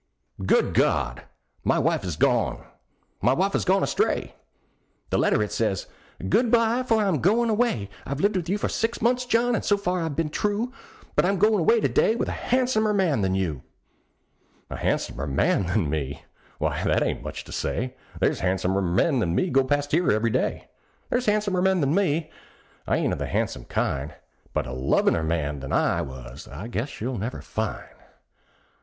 Good God! my wife is gone! my wife is gone astray! The letter it says, "Good bye, for I'm a going away; I've lived with you six months, John, and so far I've been true; But I'm going away to day with a handsomer man than you." A han'somer man than me! Why, that ain't much to say; There's han'somer men than me go past here every day. There's han'somer men than me I ain't of the han'some kind; But a lovin'er man than I was I guess she'll never find.